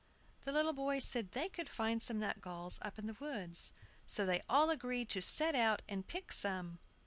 The little boys said they could find some nutgalls up in the woods. So they all agreed to set out and pick some.